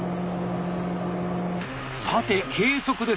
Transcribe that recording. さて計測です。